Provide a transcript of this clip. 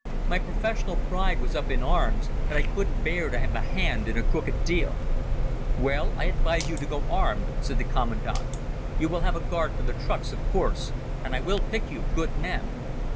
My professional pride was up in arms, and I couldn't bear to have a hand in a crooked deal. "Well, I advise you to go armed," said the commandant. "You will have a guard for the trucks, of course, and I will pick you good men.